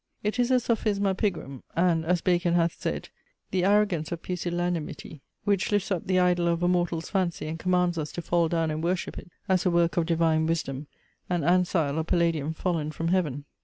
It is a sophisma pigrum, and (as Bacon hath said) the arrogance of pusillanimity, which lifts up the idol of a mortal's fancy and commands us to fall down and worship it, as a work of divine wisdom, an ancile or palladium fallen from heaven.